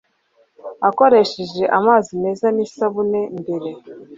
akoresheje amazi meza n'isabune mbere